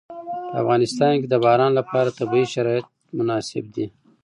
په افغانستان کې د باران لپاره طبیعي شرایط مناسب دي.